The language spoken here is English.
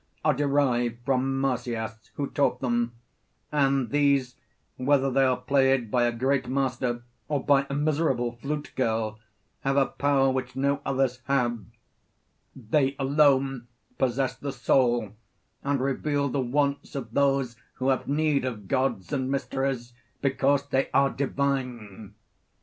Pol.) are derived from Marsyas who taught them, and these, whether they are played by a great master or by a miserable flute girl, have a power which no others have; they alone possess the soul and reveal the wants of those who have need of gods and mysteries, because they are divine.